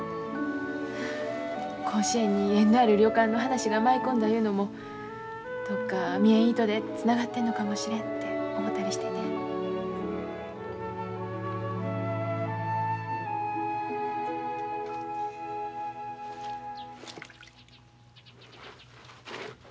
甲子園に縁のある旅館の話が舞い込んだいうのもどっか見えん糸でつながってんのかもしれんて思たりしててん。